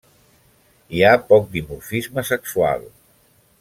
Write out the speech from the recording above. Hi ha poc dimorfisme sexual.